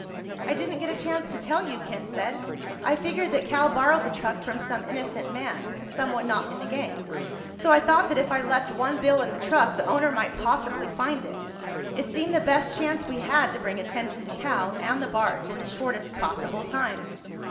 "I didn't get a chance to tell you," Ken said. "I figured that Cal borrowed the truck from some innocent man—someone not in the gang. So I thought that if I left one bill in the truck the owner might possibly find it. It seemed the best chance we had to bring attention to Cal and the barge in the shortest possible time."